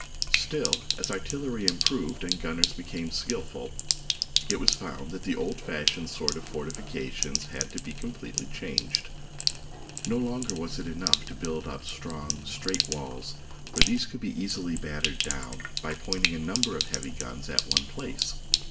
Still, as artillery improved and gunners became skilful, it was found that the old fashioned sort of fortifications had to be completely changed. No longer was it enough to build up strong, straight walls, for these could be easily battered down by pointing a number of heavy guns at one place.